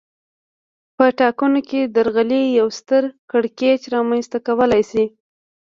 په ټاکنو کې درغلي یو ستر کړکېچ رامنځته کولای شي